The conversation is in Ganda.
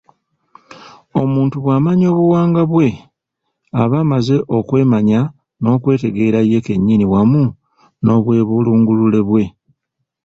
Omuntu bw’amanya obuwangwa bwe aba amaze okwemanya n’okwetegeera ye kennyini wamu n’Obwebulungulule bwe.